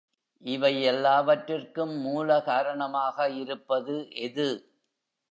இவை எல்லாவற்றுக்கும் மூல காரணமாக இருப்பது எது?